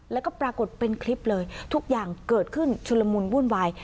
แล้วก็ปรากฏเป็นคลิปเลยทุกอย่างเกิดขึ้นชุลมุนวุ่นวาย